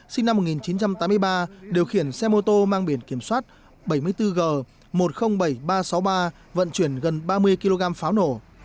sinh năm một nghìn chín trăm tám mươi ba điều khiển xe mô tô mang biển kiểm soát bảy mươi bốn g một trăm linh bảy nghìn ba trăm sáu mươi ba vận chuyển gần ba mươi kg pháo nổ